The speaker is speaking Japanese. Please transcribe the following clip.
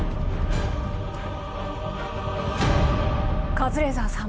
カズレーザーさん。